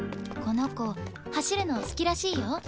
この子走るの好きらしいよ。